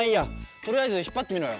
とりあえずひっぱってみろよ。